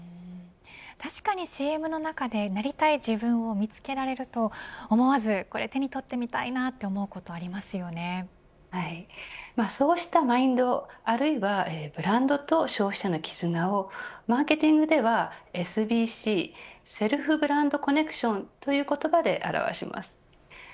確かにＣＭの中でなりたい自分を見つけられると思わずこれ手に取ってみたいなそうしたマインドあるいはブランドと消費者の絆をマーケティングではＳＢＣセルフブランドコネクションという言葉で表します。